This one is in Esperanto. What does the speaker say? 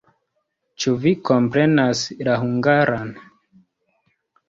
Ĉu vi komprenas la hungaran?